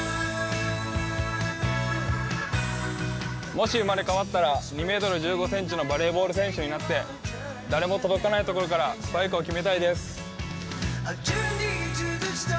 もし生まれ変わったら２ｍ１５ｃｍのバレーボール選手になって誰も届かないところからスパイクを決めたいです。